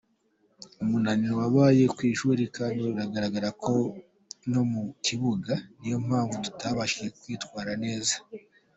Umunaniro wabaye mwinshi kandi uragaragara no mu kibuga, niyo mpamvu tutabashije kwitwara neza.